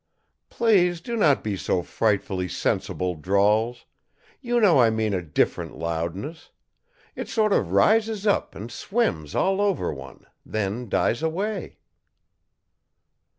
"Please do not be so frightfully sensible, Drawls. You know I mean a different loudness. It sort of rises up and swims all over one, then dies away."